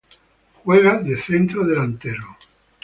Juega de centrodelantero.